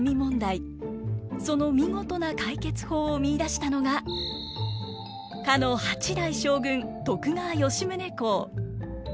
その見事な解決法を見いだしたのがかの八代将軍徳川吉宗公。